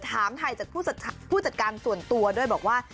ถามไทยจากผู้จัดการส่วนตัวด้วยบอกว่า